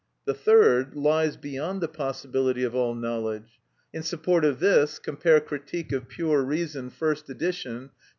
The third lies beyond the possibility of all knowledge. (In support of this, cf. Critique of Pure Reason, first edition, p.